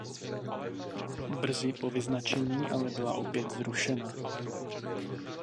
Brzy po vyznačení ale byla opět zrušena.